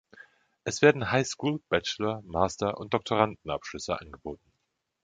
Es werden Highschool-, Bachelor-, Master- und Doktorandenabschlüsse angeboten.